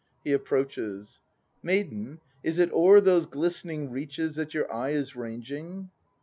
[He approaches.] Maiden, is it o'er those glistening Reaches that your eye is ranging?